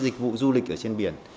dịch vụ du lịch ở trên biển